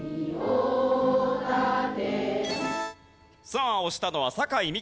さあ押したのは酒井美紀さん。